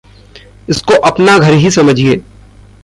इसको अपना घर ही समझिए।